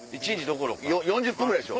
４０分ぐらいでしょ？